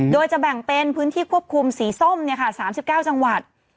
โดยจะแบ่งเป็นพื้นที่ควบคุมสีส้มเนี้ยค่ะสามสิบเก้าจังหวัด